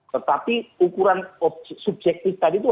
tetapi ukuran subjektif tadi itu